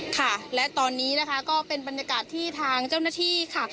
ค่ะและตอนนี้นะคะก็เป็นบรรยากาศที่ทางเจ้าหน้าที่ค่ะ